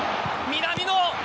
南野。